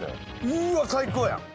うーわ最高やん。